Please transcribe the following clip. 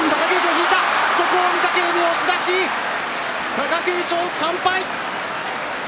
貴景勝、３敗。